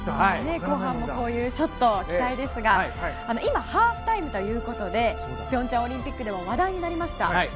後半もこういうショット期待ですが今、ハーフタイムということで平昌オリンピックでも話題になりました